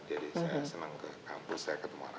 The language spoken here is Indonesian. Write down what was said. jadi saya senang ke kampus saya ketemu orang